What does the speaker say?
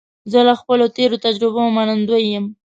زه له خپلو تېرو تجربو منندوی یم.